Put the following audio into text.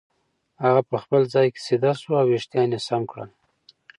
هغه په خپل ځای کې سیده شو او وېښتان یې سم کړل.